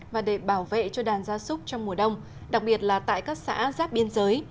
và để bảo vệ cho đàn gia súc trong mùa đông đặc biệt là tại các xã giáp biên giới